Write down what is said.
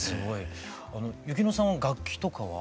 由紀乃さんは楽器とかは？